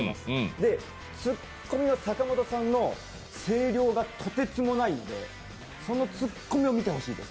で、ツッコミの坂本さんの声量がとてつもないのでそのツッコミを見てほしいです。